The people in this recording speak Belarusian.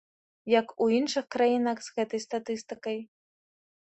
Як у іншых краінах з гэтай статыстыкай?